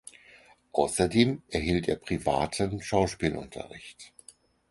Außerdem erhielt er privaten Schauspielunterricht.